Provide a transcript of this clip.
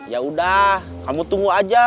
ya udah kamu tunggu aja